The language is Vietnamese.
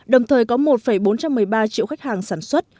đồng thời có một bốn trăm một mươi ba triệu khách hàng sản xuất